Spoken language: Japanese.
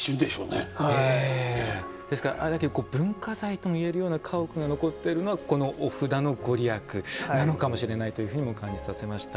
ですから、あれだけ文化財とも言えるような家屋が残っているのはこのお札の御利益なのかもしれないというふうにも感じさせました。